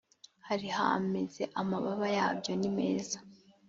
hari hameze amababa yabyo nimeza